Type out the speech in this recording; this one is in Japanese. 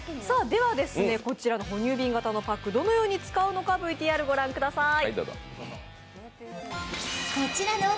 ではこちら、哺乳瓶型のパック、どのように使うのかＶＴＲ御覧ください。